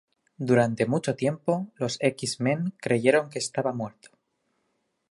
Durante mucho tiempo, los X-Men creyeron que estaba muerto.